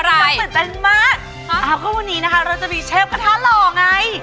อาหารข้อมูลนี้นะคะเราจะมีเชฟกระท้าหล่อไง